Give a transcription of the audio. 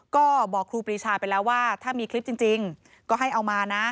ก็บอกครูปรีชาไปแล้วว่าถ้ามีคลิปจริงก็ให้เอามานะ